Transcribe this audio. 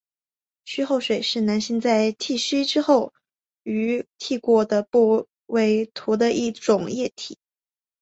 须后水是男性在剃须之后于剃过的部位涂的一种液体。